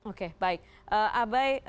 oke baik abai